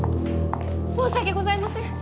申し訳ございません。